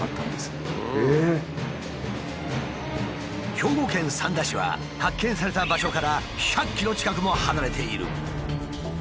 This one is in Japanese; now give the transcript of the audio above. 兵庫県三田市は発見された場所から１００ｋｍ近くも離れている。